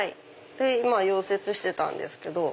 今溶接してたんですけど。